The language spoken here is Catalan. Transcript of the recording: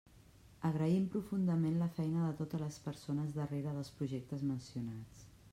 Agraïm profundament la feina de totes les persones darrere dels projectes mencionats.